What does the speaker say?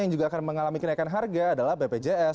yang juga akan mengalami kenaikan harga adalah bpjs